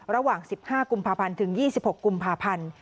ระหว่าง๑๕กุมภาพันธ์ถึง๒๖กุมภาพันธ์